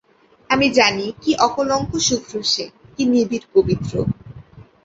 আমি জানি, কী অকলঙ্ক শুভ্র সে, কী নিবিড় পবিত্র।